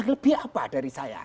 lebih apa dari saya